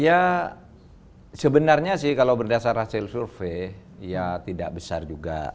ya sebenarnya sih kalau berdasar hasil survei ya tidak besar juga